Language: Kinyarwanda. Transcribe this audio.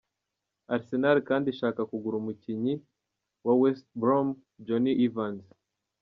Arsenal kandi ishaka kugura umukinyi wa West Brom Jonny Evans.